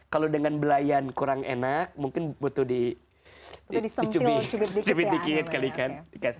kalau dengan belayan kurang enak mungkin butuh dicubit dikit kali kan